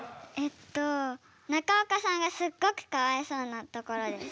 中岡さんがすっごくかわいそうなところです。